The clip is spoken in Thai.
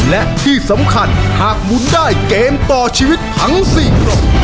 และที่สำคัญหากหมุนได้เกมต่อชีวิตทั้ง๔กล่อง